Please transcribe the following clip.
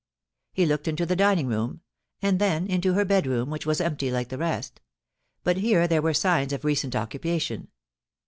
He looked into the dining room, and then into her bed room, which was empty like the rest ; but here there were signs of recent occupation.